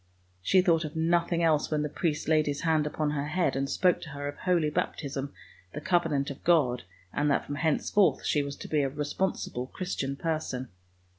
She thought of nothing else when the priest laid his hand upon her head and spoke to her of holy baptism, the covenant of God, and that from henceforth she was to be a responsible Christian person.